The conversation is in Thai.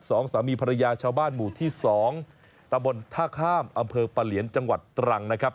สองสามีภรรยาชาวบ้านหมู่ที่สองตะบนท่าข้ามอำเภอปะเหลียนจังหวัดตรังนะครับ